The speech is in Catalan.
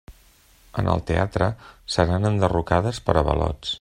En el teatre, seran enderrocades per avalots.